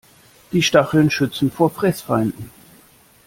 Die Stacheln schützen vor Fressfeinden.